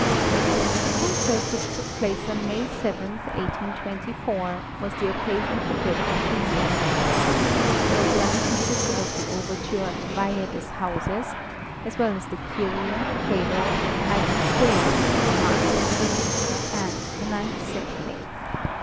The concert which took place on May 7, 1824, was the occasion for great enthusiasm. The programme consisted of the Overture Weihe des Hauses, as well as the Kyrie, Credo and Agnus Dei of the Mass in D, and the Ninth Symphony.